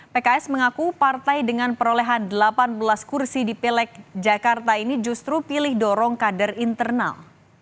pks mengaku partai dengan perolehan delapan belas kursi di pileg jakarta ini justru pilih dorong kader internal